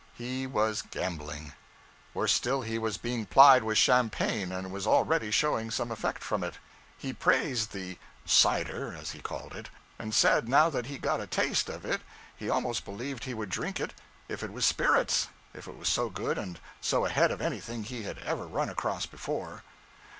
He was gambling. Worse still, he was being plied with champagne, and was already showing some effect from it. He praised the 'cider,' as he called it, and said now that he had got a taste of it he almost believed he would drink it if it was spirits, it was so good and so ahead of anything he had ever run across before.